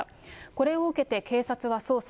これを受けて、警察は捜査。